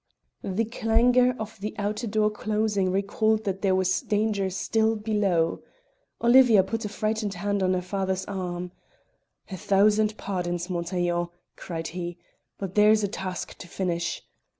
The clangour of the outer door closing recalled that there was danger still below. Olivia put a frightened hand on her father's arm. "A thousand pardons, Montaiglon," cried he; "but here's a task to finish."